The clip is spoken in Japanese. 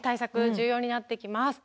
重要になってきます。